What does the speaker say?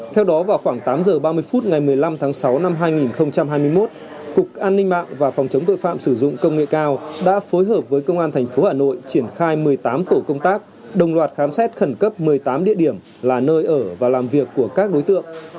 theo đó vào khoảng tám h ba mươi phút ngày một mươi năm tháng sáu năm hai nghìn hai mươi một cục an ninh mạng và phòng chống tội phạm sử dụng công nghệ cao đã phối hợp với công an thành phố hà nội triển khai một mươi tám tổ công tác đồng loạt khám xét khẩn cấp một mươi tám địa điểm là nơi ở và làm việc của các đối tượng